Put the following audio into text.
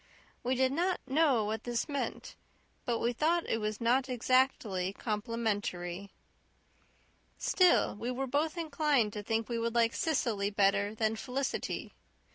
We did not know what this meant, but we thought it was not exactly complimentary. Still, we were both inclined to think we would like Cecily better than Felicity.